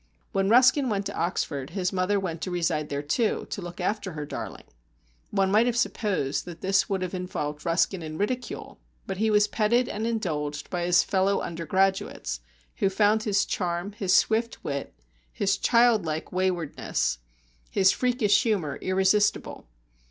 When Ruskin went to Oxford, his mother went to reside there too, to look after her darling. One might have supposed that this would have involved Ruskin in ridicule, but he was petted and indulged by his fellow undergraduates, who found his charm, his swift wit, his childlike waywardness, his freakish humour irresistible.